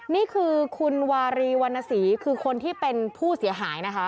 นี่คือคุณวารีวรรณสีคือคนที่เป็นผู้เสียหายนะคะ